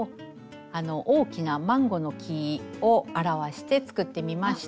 あの大きなマンゴーの木を表して作ってみました。